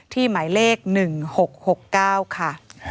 หมายเลข๑๖๖๙ค่ะ